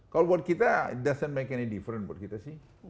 kalau buat kita it doesn't make any difference buat kita sih